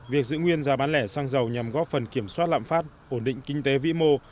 việc giữ nguyên giá bán lẻ xăng dầu nhằm góp phần kiểm soát lạm phát ổn định kinh tế vĩ mô